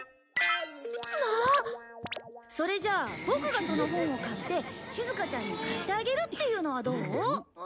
まあ！それじゃあボクがその本を買ってしずかちゃんに貸してあげるっていうのはどう？